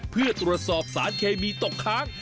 เพื่อตรวจสอบสารเคมีตกค้าง